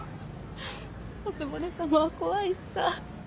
おつぼね様は怖いしさ。